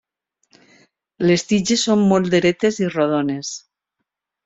Les tiges són molt dretes i rodones.